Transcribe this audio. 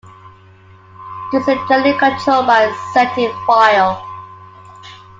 This is generally controlled by a setting file.